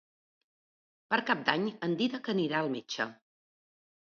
Per Cap d'Any en Dídac anirà al metge.